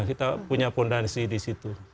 kita punya fondasi di situ